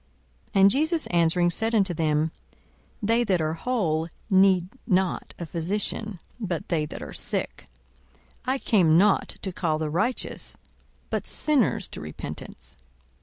42:005:031 And Jesus answering said unto them, They that are whole need not a physician; but they that are sick. 42:005:032 I came not to call the righteous, but sinners to repentance.